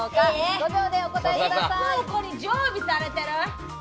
５秒でお答えください。